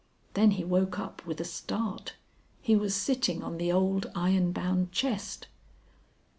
Then he woke up with a start. He was sitting on the old iron bound chest.